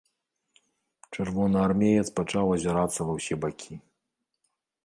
Чырвонаармеец пачаў азірацца ва ўсе бакі.